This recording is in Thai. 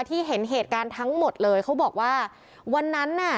เห็นเหตุการณ์ทั้งหมดเลยเขาบอกว่าวันนั้นน่ะ